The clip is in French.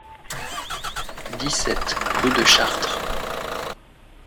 dix-sept rue de Chartres